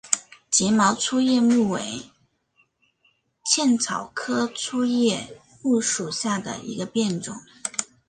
睫毛粗叶木为茜草科粗叶木属下的一个变种。